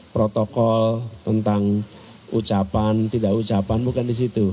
protokol tentang ucapan tidak ucapan bukan disitu